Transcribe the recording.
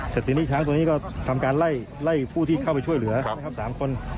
เสร็จตอนนี้ทางก็ทำการไล่ไล่ผู้ที่เข้าไปช่วยเหลือไค่ครับ๓คน